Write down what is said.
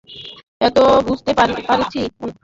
এখন বুঝতে পারছি উনার উদ্বেগের কারণটা!